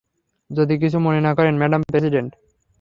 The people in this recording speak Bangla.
যদি কিছু মনে না করেন, ম্যাডাম প্রেসিডেন্ট!